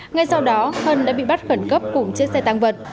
ngay sau đó hân đã bị bắt khẩn cấp cùng chiếc xe tăng vật